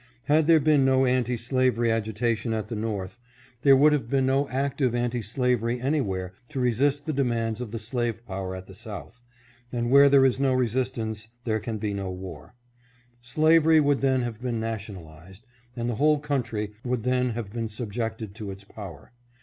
Had there been no anti slavery agitation at the North, there would have been no active anti slavery anywhere to resist the demands of the slave power at the South, and where there is no resistance there can be no war. Slavery would then have been nationalized, and the whole country would then have been subjected to its power.